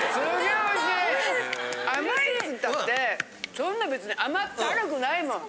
甘いっつったってそんな別に甘ったるくないもん。